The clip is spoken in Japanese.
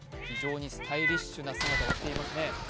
非常にスタイリッシュな姿をしていますね。